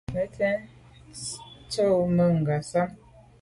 Me tsha’t’o me Ngasam.